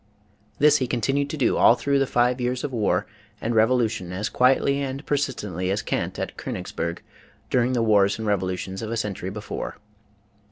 This he continued to do all through the five years of war and revolution as quietly and persistently as Kant at Konigsberg during the wars and revolutions of a century before.